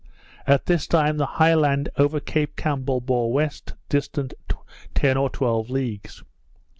At this time the high land over Cape Campbell bore west, distant ten or twelve leagues.